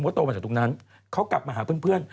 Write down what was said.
เขาโตมาจากตรงนั้นเขากลับมาหาเพื่อน